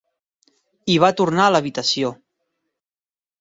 I va tornar a l'habitació.